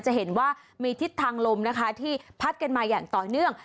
จะเห็นว่ามีทิศทางลมนะคะที่พัดกันมาอย่างต่อเนื่อง